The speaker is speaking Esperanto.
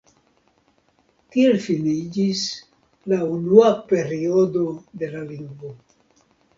Tiel finiĝis la unua periodo de la lingvo.